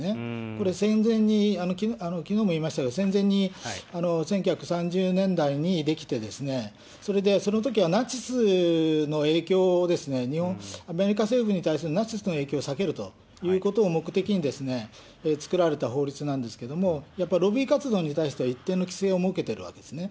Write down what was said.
これ、戦前にきのうも言いましたけど、戦前に１９３０年代に出来て、それでそのときはナチスの影響を、アメリカ政府に対するナチスの影響を避けるということを目的に、作られた法律なんですけれども、やっぱロビー活動に対しては、一定の規制を設けてるわけですね。